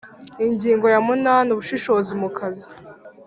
Ingingo ya munani Ubushishozi mu kazi